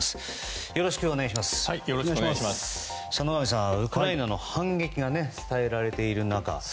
野上さん、ウクライナの反撃が伝えられている中